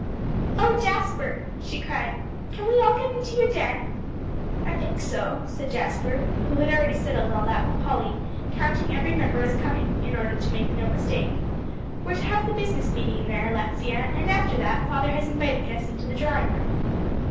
"Oh, Jasper," she cried, "can we all get into your den?" "I think so," said Jasper, who had already settled all that with Polly, counting every member as coming, in order to make no mistake, "we're to have the business meeting in there, Alexia; and after that, father has invited us in to the drawing room."